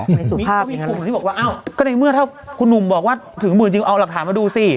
มีก็มีกลุ่มที่บอกว่าเอ้าก็ในเมื่อถ้าคุณหนุ่มบอกว่าถึงหมื่นจริงเอาหลักฐานมาดูซิ